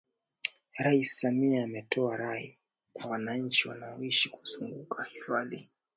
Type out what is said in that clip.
Rais Samia ametoa rai kwa wanachi wanaoishi kuzunguka hifadhi